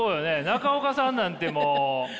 中岡さんなんてもう。